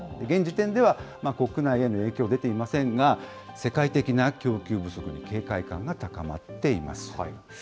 現時点では、国内への影響は出ていませんが、世界的な供給不足に警戒感が高まっています。